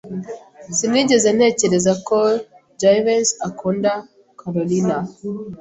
Sinigeze ntekereza ko Jivency akunda Kalorina.